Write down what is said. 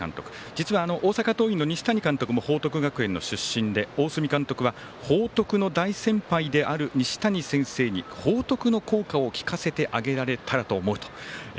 実は大阪桐蔭の西谷監督も報徳学園の出身で、大角監督は報徳の大先輩である西谷先生に報徳の校歌を聴かせてあげられたらと。